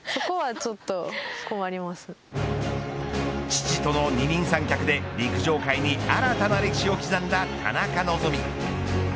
父との二人三脚で陸上界に新たな歴史を刻んだ田中希実。